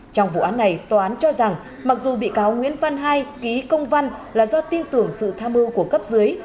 trong vụ án này tòa án cho rằng mặc dù bị cáo nguyễn văn hai ký công văn là do tin tưởng sự tham mưu của cấp dưới